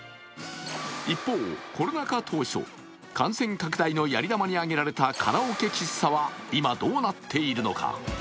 一方、コロナ禍当初、感染拡大のやり玉に上げられたカラオケ喫茶は今どうなっているのか。